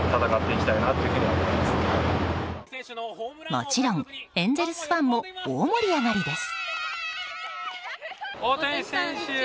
もちろん、エンゼルスファンも大盛り上がりです。